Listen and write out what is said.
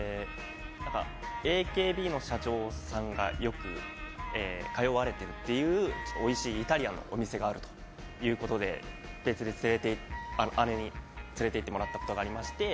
ＡＫＢの社長さんがよく通われているというおいしいイタリアンのお店があるということで別で、姉に連れて行ってもらったことがありまして。